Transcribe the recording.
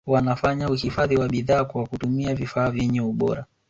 wanafanya uhifadhi wa bidhaa kwa kutumia vifaa vyenye ubora